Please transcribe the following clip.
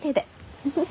フフフ。